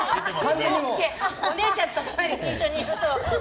お姉ちゃんと一緒にいると。